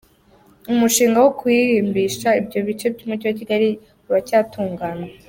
Umushinga wo kurimbisha ibyo bice by’umujyi wa Kigali uracyatunganywa.